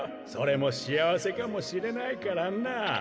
それもしあわせかもしれないからなあ。